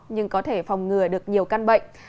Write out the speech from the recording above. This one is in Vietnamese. nhưng có thể phòng ngừa được nhiều căn bệnh